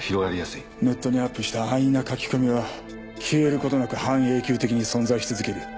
ネットにアップした安易な書き込みは消える事なく半永久的に存在し続ける。